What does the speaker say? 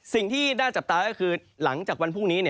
สิ่งที่น่าจับตาก็คือหลังจากวันพรุ่งนี้